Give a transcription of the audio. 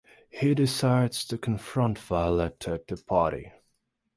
He decides to confront Violetta at the party.